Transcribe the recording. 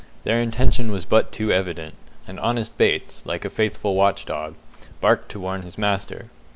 Their intention was but too evident; and honest Bates, like a faithful watch dog, barked to warn his master.